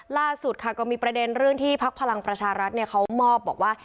ล่าสุดค่ะก็มีประเด็นเรื่องที่พักพลังประชารัฐเขามอบบอกว่า